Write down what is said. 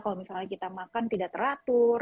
kalau misalnya kita makan tidak teratur